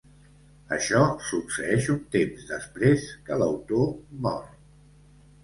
Això succeeix un temps després que l'autor mor.